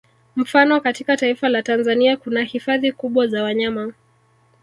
Mfano katika taifa la Tanzania kuna hifadhi kubwa za wanyama